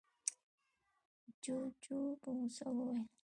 جُوجُو په غوسه وويل: